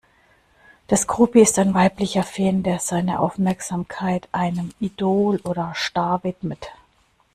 Das Groupie ist ein weiblicher Fan, der seine Aufmerksamkeit einem Idol oder Star widmet.